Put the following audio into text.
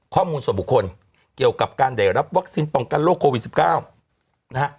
ข้อมูลส่วนบุคคลเกี่ยวกับการได้รับวัคซีนป้องกันโควิด๑๙นะฮะ